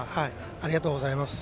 ありがとうございます。